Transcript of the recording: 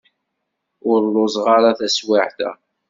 Ur lluẓeɣ ara taswiεt-a.